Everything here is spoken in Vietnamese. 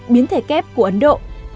biến thể kép của ấn độ